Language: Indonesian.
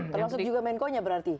termasuk juga menko nya berarti